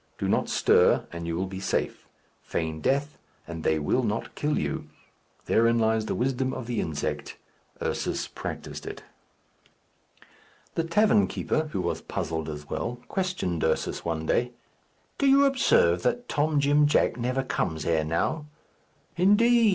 Do not stir, and you will be safe. Feign death, and they will not kill you. Therein lies the wisdom of the insect. Ursus practised it. The tavern keeper, who was puzzled as well, questioned Ursus one day. "Do you observe that Tom Jim Jack never comes here now!" "Indeed!"